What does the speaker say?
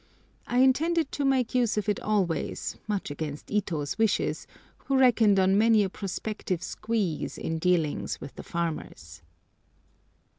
] I intend to make use of it always, much against Ito's wishes, who reckoned on many a prospective "squeeze" in dealings with the farmers.